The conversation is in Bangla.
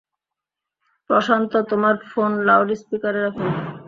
প্রশান্ত, তোমার ফোন লাউডস্পিকারে রাখ।